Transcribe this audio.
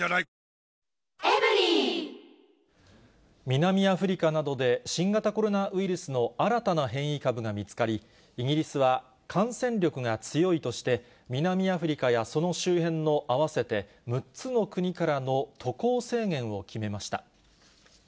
南アフリカなどで、新型コロナウイルスの新たな変異株が見つかり、イギリスは感染力が強いとして、南アフリカやその周辺の合わせて６つの国からの渡航制限を決めました。